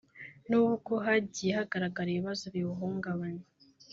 n’ubwo hagiye hagaragara ibibazo biwuhungabanya